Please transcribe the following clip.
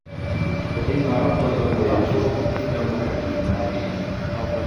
وإن ربك هو يحشرهم إنه حكيم عليم